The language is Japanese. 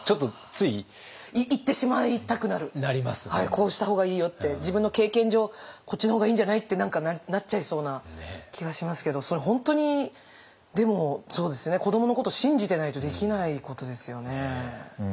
「こうした方がいいよ」って「自分の経験上こっちの方がいいんじゃない？」って何かなっちゃいそうな気がしますけどそれ本当にでもそうですよね子どものこと信じてないとできないことですよね。